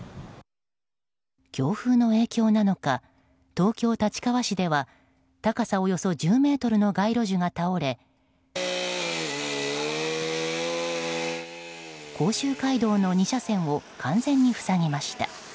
強風の影響なのか東京・立川市では高さおよそ１０ｍの街路樹が倒れ甲州街道の２車線を完全に塞ぎました。